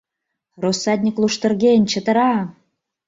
Россатньык луштырген, чытыра!